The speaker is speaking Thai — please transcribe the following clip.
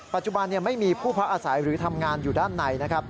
ปัจจุบันไม่มีผู้พักอาศัยหรือทำงานอยู่ด้านในนะครับ